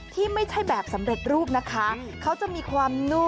ที่ไม่ใช่แบบสำเร็จรูปนะคะ